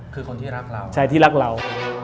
คือคนที่รักเรา